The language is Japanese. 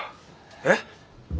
えっ！？